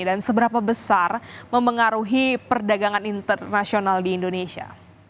seberapa besar mempengaruhi perdagangan internasional di indonesia